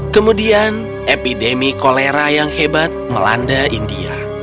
kemudian epidemi kolera yang hebat melanda india